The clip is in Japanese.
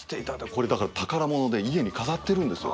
これだから宝物で家に飾ってるんですよ